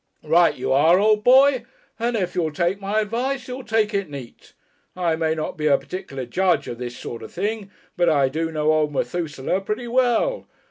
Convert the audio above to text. "Right you are, old boy, and if you'll take my advice you'll take it neat. I may not be a particular judge of this sort of thing, but I do know old Methusaleh pretty well.